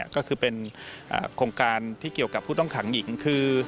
ก็คือเป็นโครงการที่เกี่ยวกับผู้ต้องขังหญิงคือ